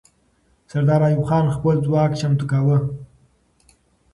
سردار ایوب خان خپل ځواک چمتو کاوه.